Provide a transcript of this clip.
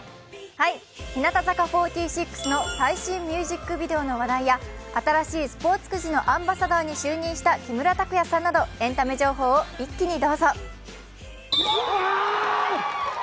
日向坂４６の最新ミュージックビデオの話題や新しいスポーツくじのアンバサダーに就任した木村拓哉さんなどエンタメ情報を一気にどうぞ。